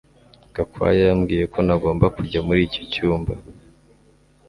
Gakwaya yambwiye ko ntagomba kujya muri icyo cyumba